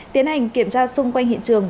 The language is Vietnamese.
tiến hành kiểm tra xung quanh hiện trường